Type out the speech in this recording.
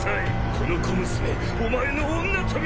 この小娘お前の女とみた。